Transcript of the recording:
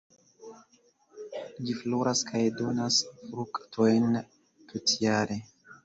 Ĝi floras kaj donas fruktojn tutjare.